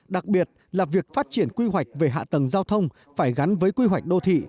đặc biệt là việc phát triển quy hoạch về hạ tầng giao thông phải gắn với quy hoạch đô thị